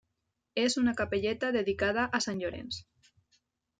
És una capelleta dedicada a sant Llorenç.